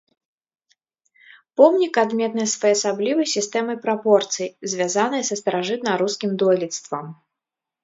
Помнік адметны своеасаблівай сістэмай прапорцый, звязанай са старажытна-рускім дойлідствам.